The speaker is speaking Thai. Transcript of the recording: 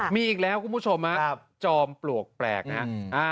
มีอีกแล้วคุณผู้ชมครับจอมปลวกแปลกนะฮะ